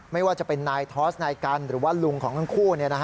ไม่ว่าจะเป็นนายทอสนายกันหรือว่าลุงของทั้งคู่